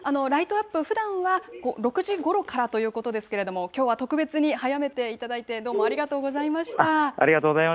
ライトアップ、ふだんは６時ごろからということですけれども、きょうは特別に早めていただいて、どうもありがとうございました。